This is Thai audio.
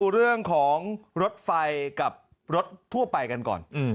เรื่องของรถไฟกับรถทั่วไปกันก่อน